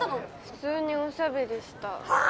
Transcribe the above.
普通におしゃべりしたはあ！？